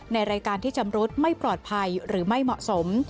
ในรายการที่ชำรุดไม่ปลอดภัยหรือไม่เหมาะสม